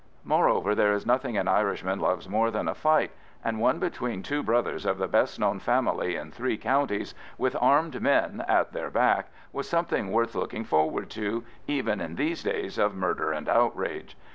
Moreover, there is nothing an Irishman loves more than a fight, and one between two brothers of the best known family in three counties, with armed men at their back, was something worth looking forward to, even in these days of murder and outrage.